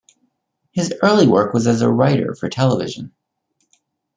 His early work was as a writer for television.